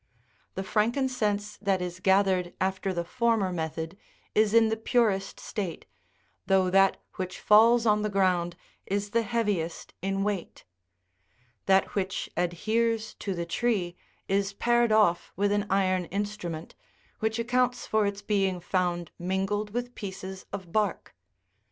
The frankincense that is gathered after the former method, is in the purest state, though that which falls on the ground is the heaviest in weight : that which adheres to the tree is pared off with an iron instrument, which accounts for its being found mingled with pieces of bark.